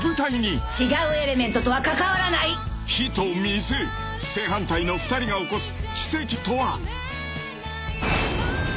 「違うエレメントとは関わらない」［火と水正反対の２人が起こす奇跡とは］